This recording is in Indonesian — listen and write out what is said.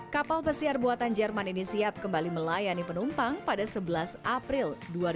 kapal pesiar buatan jerman ini siap kembali melayani penumpang pada sebelas april dua ribu dua puluh